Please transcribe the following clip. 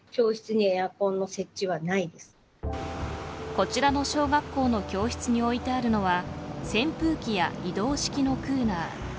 こちらの小学校の教室に置いてあるのは扇風機や移動式のクーラー。